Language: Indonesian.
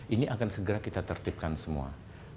ini akan segera kita tertipkan semua